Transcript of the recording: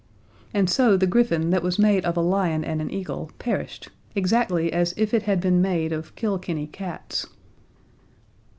And so the griffin that was made of a lion and an eagle perished, exactly as if it had been made of Kilkenny cats.